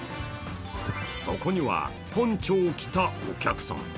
そこには、ポンチョを着たお客さん。